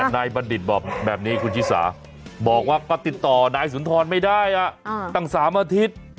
บัณฑิตบอกแบบนี้คุณชิสาบอกว่าก็ติดต่อนายสุนทรไม่ได้ตั้ง๓อาทิตย์